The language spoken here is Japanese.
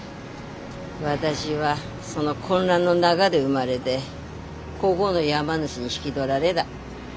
私はその混乱の中で生まれでこごの山主に引き取られだ。